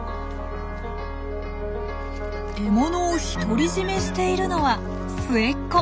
獲物を独り占めしているのは末っ子。